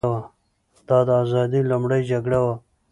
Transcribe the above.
دا د ازادۍ لومړۍ جګړه وه.